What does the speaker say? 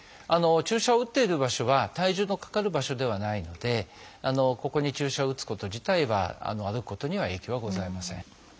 注射を打っている場所は体重のかかる場所ではないのでここに注射を打つこと自体は歩くことには影響はございません。